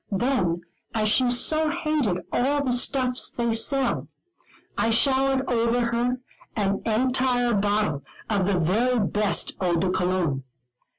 Then, as she so hated all the stuffs they sell, I showered over her an entire bottle of the very best Eau de Cologne.